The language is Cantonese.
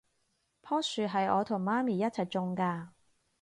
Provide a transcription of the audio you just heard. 樖樹係我同媽咪一齊種㗎